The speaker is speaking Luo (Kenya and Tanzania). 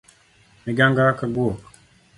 Miganga ka guok